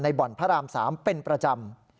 บ่อนพระราม๓เป็นประจำ